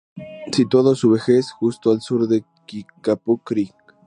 Situado, a su vez, justo al sur de Kickapoo Creek.